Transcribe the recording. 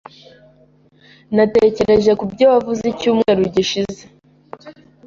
Natekereje kubyo wavuze mu cyumweru gishize.